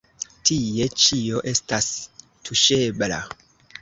Tie ĉio estas tuŝebla.